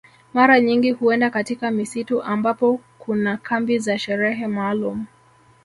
Mara nyingi huenda katika misitu ambapo kuna kambi za sherehe maalum